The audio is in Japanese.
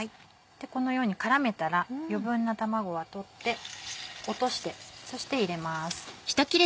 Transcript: このように絡めたら余分な卵は取って落としてそして入れます。